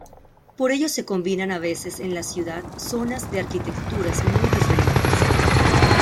Por ello se combinan a veces en la ciudad zonas de arquitecturas muy diferentes.